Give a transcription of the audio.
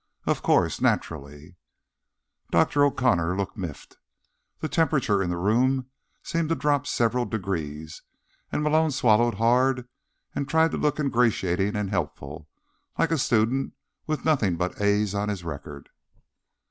Of course. Naturally." Dr. O'Connor looked miffed. The temperature of the room seemed to drop several degrees, and Malone swallowed hard and tried to look ingratiating and helpful, like a student with nothing but A's on his record.